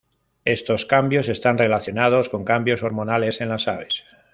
Estos cambios están relacionados con cambios hormonales en las aves.